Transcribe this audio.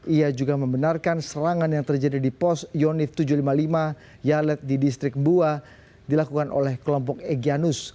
ia juga membenarkan serangan yang terjadi di pos yonif tujuh ratus lima puluh lima yalet di distrik bua dilakukan oleh kelompok egyanus